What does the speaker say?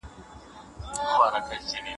د مرګ سزا په ځانګړو جرمونو کي ورکول کېږي.